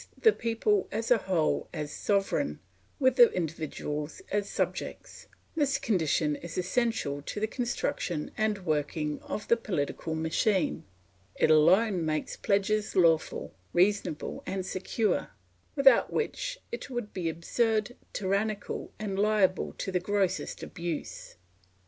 the people as a whole as sovereign, with the individuals as subjects; this condition is essential to the construction and working of the political machine, it alone makes pledges lawful, reasonable, and secure, without which it would be absurd, tyrannical, and liable to the grossest abuse.